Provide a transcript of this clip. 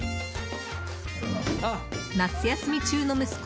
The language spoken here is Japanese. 夏休み中の息子